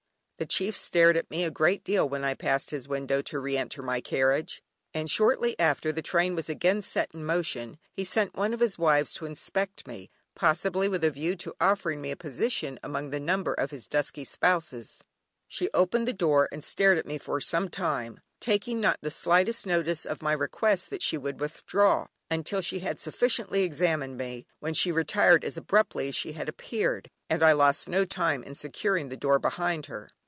The chief stared at me a great deal when I passed his window to re enter my carriage, and shortly after the train was again set in motion he sent one of his wives to inspect me, possibly with a view to offering me a position among the number of his dusky spouses. She opened the door, and stared at me for some time, taking not the slightest notice of my requests that she would withdraw, until she had sufficiently examined me, when she retired as abruptly as she had appeared, and I lost no time in securing the door behind her.